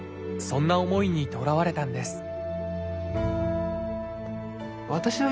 そんな思いにとらわれたんです